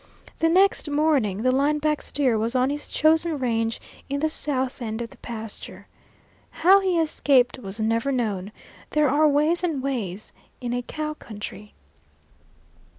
The next morning the line back steer was on his chosen range in the south end of the pasture. How he escaped was never known; there are ways and ways in a cow country.